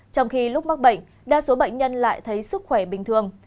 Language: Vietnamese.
trong khi lúc mắc bệnh đa số bệnh nhân lại thấy sức khỏe bình thường